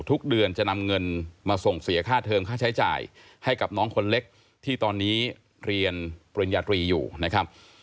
ทุกเดือนจะนำเงินมาส่งเสียค่าเทิมค่าใช้จ่ายให้กับน้องคนเล็กที่ตอนนี้เรียนปริญญาตรีอยู่นะครับ